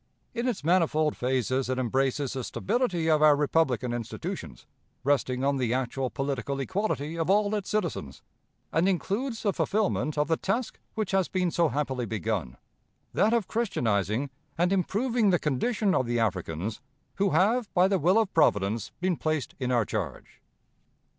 In its manifold phases it embraces the stability of our republican institutions, resting on the actual political equality of all its citizens, and includes the fulfillment of the task which has been so happily begun that of Christianizing and improving the condition of the Africans who have by the will of Providence been placed in our charge.